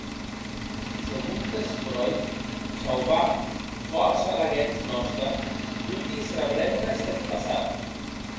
Segontes Freud, sauvam fòrça laguens nòste toti es rebrembes deth passat.